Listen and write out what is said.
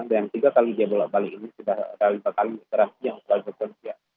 dan tiga kali dia balik balik ini sudah ada lima kali operasi yang sudah diperlukan